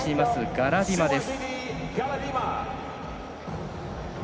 ガラディマです。